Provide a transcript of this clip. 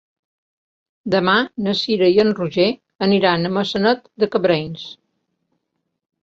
Demà na Cira i en Roger aniran a Maçanet de Cabrenys.